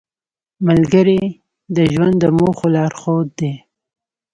ملګری د ژوند د موخو لارښود دی